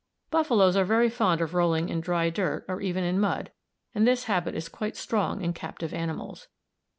Buffaloes are very fond of rolling in dry dirt or even in mud, and this habit is quite strong in captive animals.